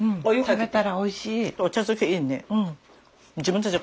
食べたらおいしい。